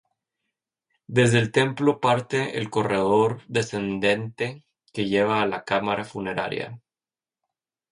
Desde el templo parte el corredor descendente que lleva a la cámara funeraria.